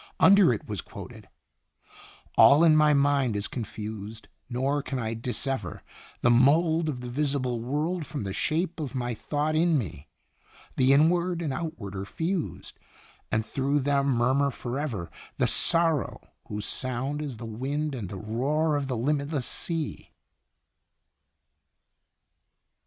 Under it was quoted : "All in my mind is confused, nor can I dissever The mould of the visible world from the shape of my thought in me The Inward and Outward are fused, and through them murmur forever The sorrow whose sound is the wind and the roar of the limitless sea."